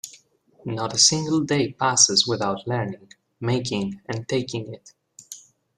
Not a single day passes without learning, making, and taking it.